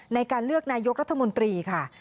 ในการเลือกนายกรัฐมนตรีค่ะ